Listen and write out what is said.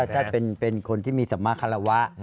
ใช่เป็นคนที่มีสำมารถฮาราวะ